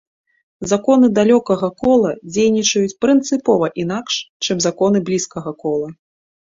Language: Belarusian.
Законы далёкага кола дзейнічаюць прынцыпова інакш, чым законы блізкага кола.